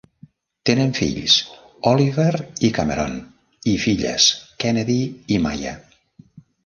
Tenen fills, Oliver i Cameron, i filles, Kennedy i Maya.